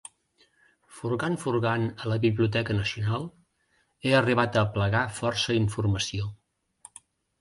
Furgant furgant a la Biblioteca Nacional he arribat a aplegar força informació.